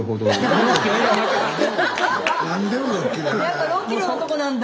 やっぱ６ｋｍのとこなんだ。